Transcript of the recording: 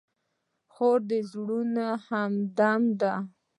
خور د زړونو همدمه ده.